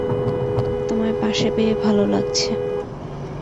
তোমায় পাশে পেয়ে ভালো লাগছে।